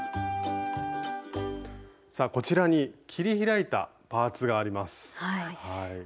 さあこちらに切り開いたパーツがあります。